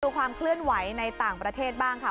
ความเคลื่อนไหวในต่างประเทศบ้างค่ะ